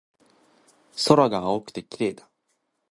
空が青くて綺麗だ